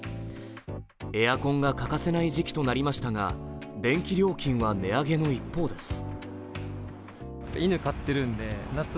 エアコンが欠かせない時期となりましたが、電気料金は値上げの一方です。